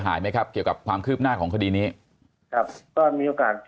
หายไหมครับเกี่ยวกับความคืบหน้าของคดีนี้ครับก็มีโอกาส